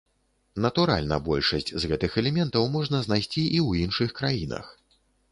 Натуральна, большасць з гэтых элементаў можна знайсці і ў іншых краінах.